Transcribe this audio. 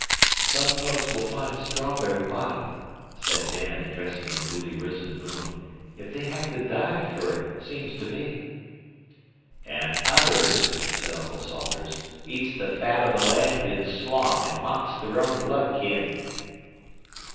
"Some folks will find strawberry bottom," said Dan, addressing the newly risen moon, "ef they hev to dive fer it, seems to me." "An' others," said Uncle Salters, "eats the fat o' the land in sloth, an' mocks their own blood kin."